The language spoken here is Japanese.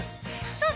◆さあ